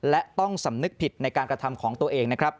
และต้องสำนึกผิดในการกระทำของตัวเองนะครับ